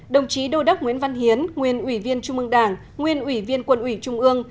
đồng chí đô đắc nguyễn văn hiến nguyên ủy viên trung ương đảng nguyên ủy viên quân ủy trung ương